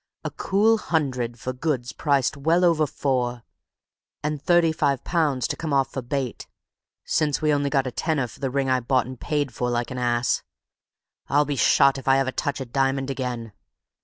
A cool hundred for goods priced well over four; and £35 to come off for bait, since we only got a tenner for the ring I bought and paid for like an ass. I'll be shot if I ever touch a diamond again!